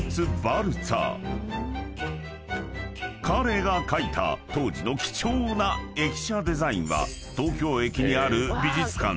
［彼が描いた当時の貴重な駅舎デザインは東京駅にある美術館